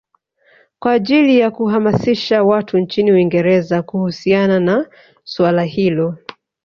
Kwa ajili ya kuhamasisha watu nchini Uingereza kuhusiana na suala hilo